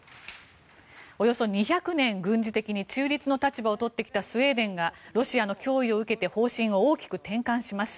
およそ２００年軍事的に中立の立場を取ってきたスウェーデンがロシアの脅威を受けて方針を大きく転換します。